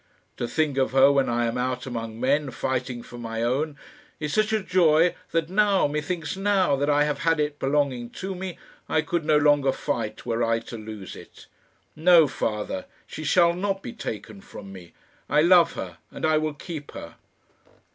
To think of her when I am out among men fighting for my own, is such a joy, that now, methinks now, that I have had it belonging to me, I could no longer fight were I to lose it. No. father; she shall not be taken from me. I love her, and I will keep her."